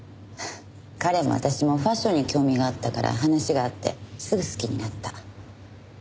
彼も私もファッションに興味があったから話があってすぐ好きになった。